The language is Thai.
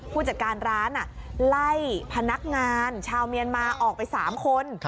ผู้จัดการร้านไล่พนักงานชาวเมียนมาออกไป๓คน